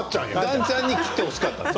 岩ちゃんに切ってほしかったの。